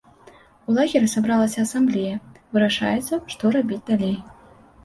У лагеры сабралася асамблея, вырашаецца, што рабіць далей.